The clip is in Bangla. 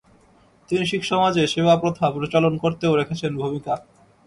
তিনি শিখসমাজে সেবা প্রথা প্রচলন করতেও রেখেছেন ভূমিকা।